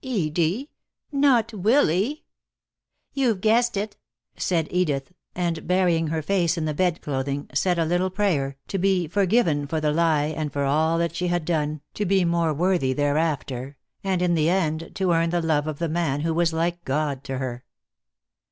"Edie! Not Willy?" "You've guessed it," said Edith, and burying her face in the bed clothing, said a little prayer, to be forgiven for the lie and for all that she had done, to be more worthy thereafter, and in the end to earn the love of the man who was like God to her.